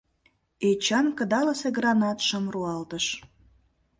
Эчан кыдалысе гранатшым руалтыш.